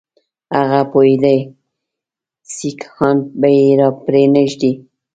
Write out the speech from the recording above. هغه پوهېدی سیکهان به یې را پرې نه ږدي.